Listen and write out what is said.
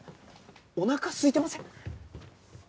おなかすいてません？